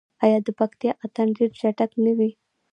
آیا د پکتیا اتن ډیر چټک نه وي؟